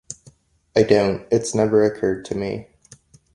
I don't, it's never occurred to me.